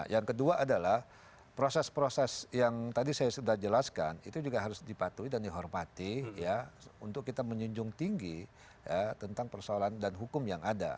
yang kedua adalah proses proses yang tadi saya sudah jelaskan itu juga harus dipatuhi dan dihormati untuk kita menjunjung tinggi tentang persoalan dan hukum yang ada